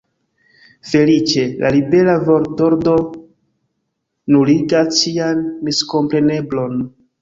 Feliĉe la libera vortordo nuligas ĉian miskompreneblon.